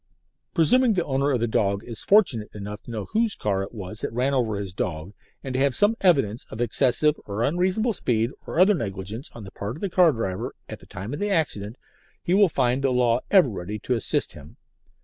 Presuming the owner of the dog is fortunate enough to know whose car it was that ran over his dog, and to have some evidence of excessive or unreasonable speed or other negligence on the part of the car driver at the time of the accident, he will find the law ever ready to assist him.